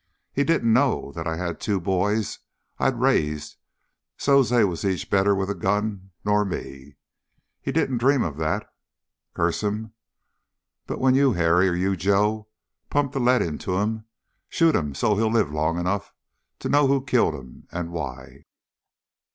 He didn't know that I had two boys I'd raised so's they was each better with a gun nor me. He didn't dream of that, curse him! But when you, Harry, or you, Joe, pump the lead into him, shoot him so's he'll live long enough to know who killed him and why!"